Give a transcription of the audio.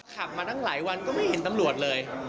ขับมาตั้งหลายวันก็ไม่เห็นตำรวจเลย